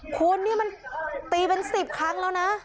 คุณนี่มันตีเป็น๑๐ครั้งแล้วนะ